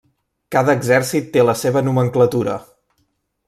Cada exèrcit té la seva nomenclatura.